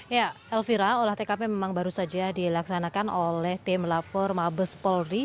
ya elvira olah tkp memang baru saja dilaksanakan oleh tim lafor mabes polri